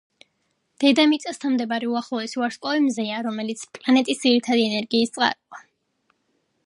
დედამიწასთან მდებარე უახლოესი ვარსკვლავი მზეა, რომელიც პლანეტის ძირითადი ენერგიის წყაროა.